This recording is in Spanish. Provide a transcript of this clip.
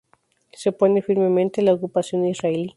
Se opone firmemente a la ocupación israelí.